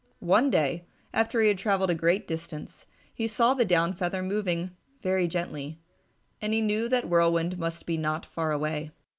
One day, after he had travelled a great distance, he saw the down feather moving very gently, and he knew that Whirlwind must be not far away.